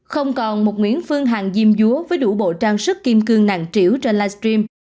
không còn một nguyễn phương hằng diêm dúa với đủ bộ trang sức kim cương nặng triểu trên livestream